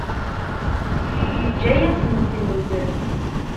Yeǧǧa-yasen-ten-id.